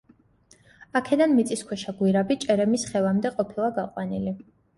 აქედან მიწისქვეშა გვირაბი ჭერემის ხევამდე ყოფილა გაყვანილი.